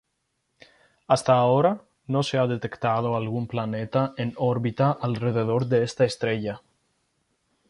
Hasta ahora no se ha detectado algún planeta en órbita alrededor de esta estrella.